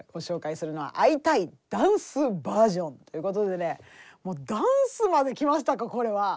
ダンスバージョンということでねもうダンスまできましたかこれは。